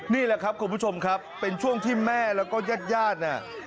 นี่แหละครับคุณผู้ชมครับเป็นช่วงที่แม่แล้วก็ญาติญาติเนี่ย